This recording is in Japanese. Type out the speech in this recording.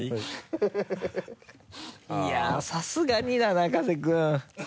いやぁさすがにだな加瀬君。